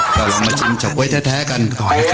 ก็ลองมาชิมเฉาก๊วยแท้กันก่อนนะครับ